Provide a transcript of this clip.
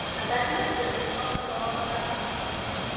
ادبیات د رڼا لار ده.